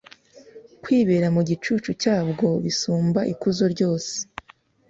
kwibera mu gicucu cyabwo bisumba ikuzo ryose